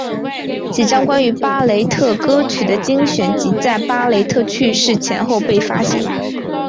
几张关于巴雷特歌曲的精选集在巴雷特去世前后被发行。